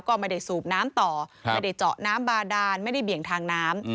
ก็ไม่ได้สูบน้ำต่อไม่ได้เจาะน้ำบาดานไม่ได้เบี่ยงทางน้ำ